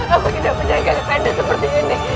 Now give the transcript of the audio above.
apa kita menjaga kandung seperti ini